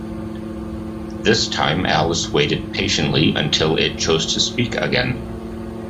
This time Alice waited patiently until it chose to speak again.